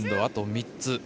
あと３つ。